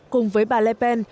cùng với bà le pen